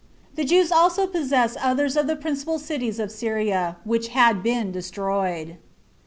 43 The Jews also possessed others of the principal cities of Syria, which had been destroyed.